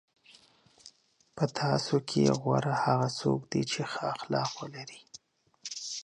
په تاسو کې غوره هغه څوک دی چې ښه اخلاق ولري.